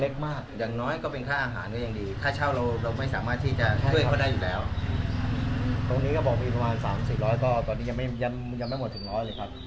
ตรงนี้ก็บอกมีประมาณสามสิบร้อยก็ตอนนี้ยังไม่ยังยังไม่หมดถึงร้อยเลยครับ